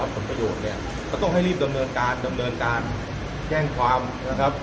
ผลประโยชน์เนี่ยก็ต้องให้รีบดำเนินการดำเนินการแจ้งความนะครับ